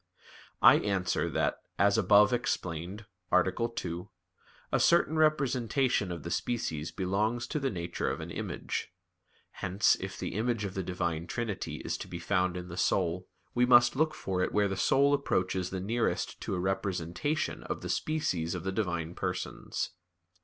I answer that, As above explained (A. 2), a certain representation of the species belongs to the nature of an image. Hence, if the image of the Divine Trinity is to be found in the soul, we must look for it where the soul approaches the nearest to a representation of the species of the Divine Persons.